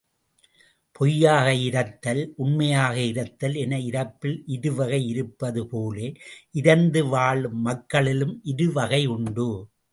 பொய்யாக இரத்தல், உண்மையாக இரத்தல் என இரப்பில் இருவகை இருப்பது போல, இரந்து வாழும் மக்களிலும் இருவகை உண்டு.